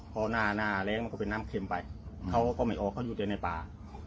พอหน้าหน้าแรงมันก็เป็นน้ำเข็มไปเขาก็ไม่ออกเขาอยู่แต่ในป่า